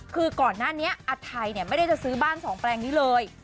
คือก่อนหน้านี้อาทัยไม่ได้จะซื้อบ้านสองแปลงนี้เลย